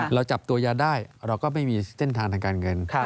เราจับตัวยาได้เราก็ไม่มีเส้นทางทางการเงิน